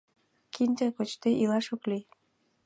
— Кинде кочде илаш ок лий.